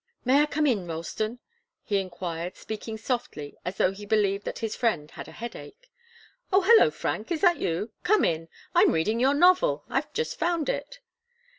"May I come in, Ralston?" he enquired, speaking softly, as though he believed that his friend had a headache. "Oh hello, Frank! Is that you? Come in! I'm reading your novel. I'd just found it."